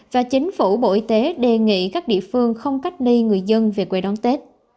và chính phủ bộ y tế đề nghị các địa phương không cách ly người dân về quê đón tết